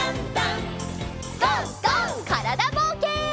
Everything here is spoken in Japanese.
からだぼうけん。